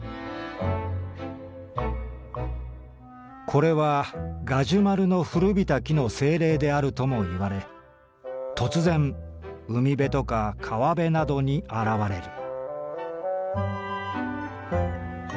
「これはガジュマルの古びた木の精霊であるともいわれ突然海辺とか川辺などに現れる」。